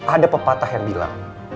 ada pepatah yang bilang